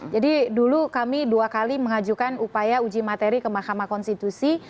jadi dulu kami dua kali mengajukan upaya uji materi ke mahkamah konstitusi